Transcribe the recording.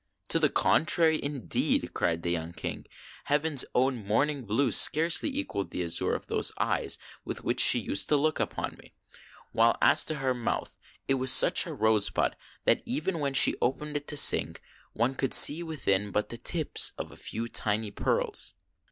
"To the contrary, indeed," cried the young King, "heaven's own morning blue scarcely equalled the azure of those eyes with which she used to look upon me ; while, as to her mouth, it was such a rosebud that even when she opened it to sing one could see within but the tips of a few tiny pearls."